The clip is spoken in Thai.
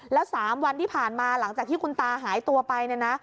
แล้ว๓วันที่ผ่านมาหลังจากที่คุณตาหายตัวไปเนี่ยนะ